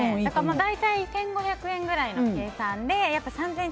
大体１５００円ぐらいの計算で３０００円